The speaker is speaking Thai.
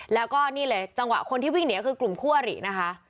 แล้วก็นี่เลยจังหวะคนที่วิ่งหนีคือกลุ่มคั่วหรี่นะคะ